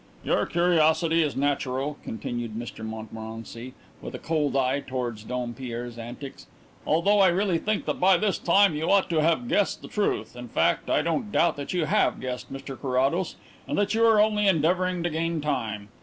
"Your curiosity is natural," continued Mr Montmorency, with a cold eye towards Dompierre's antics, "although I really think that by this time you ought to have guessed the truth. In fact, I don't doubt that you have guessed, Mr Carrados, and that you are only endeavouring to gain time.